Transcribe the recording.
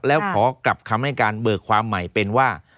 แล้วขอกลับคำให้การเบิกความใหม่เป็นว่า